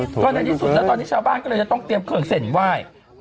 เพราะในที่สุดแล้วตอนนี้ชาวบ้านก็เลยจะต้องเตรียมเครื่องเส้นไหว้